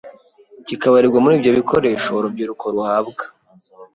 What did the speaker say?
kikabarirwa muri ibyo bikoresho urubyiruko ruhabwa